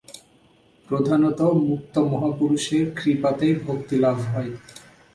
প্রধানত মুক্ত মহাপুরুষের কৃপাতেই ভক্তিলাভ হয়।